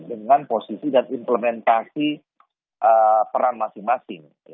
dengan posisi dan implementasi peran masing masing